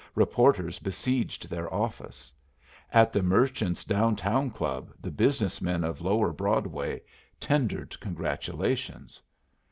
Reporters besieged their office. At the Merchants Down Town Club the business men of lower Broadway tendered congratulations.